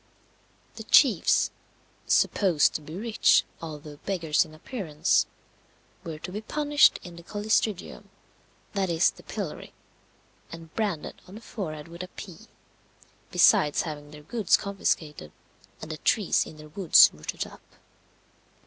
The chiefs, "supposed to be rich, although beggars in appearance," were to be punished in the collistrigium that is, the pillory and branded on the forehead with a P, besides having their goods confiscated, and the trees in their woods rooted up.